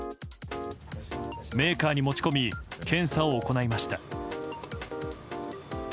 メーカーに持ち込み検査を行いました。